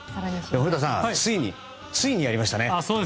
古田さん、ついにやりましたね。